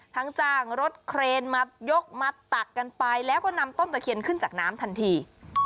จ้างรถเครนมายกมาตักกันไปแล้วก็นำต้นตะเคียนขึ้นจากน้ำทันที